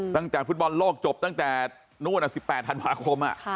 ตั้งแต่ฟุตบอลโลกจบตั้งแต่นู่น๑๘ธันวาคม